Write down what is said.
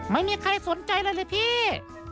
ไม่มีใครสนใจเลยเหรอพี่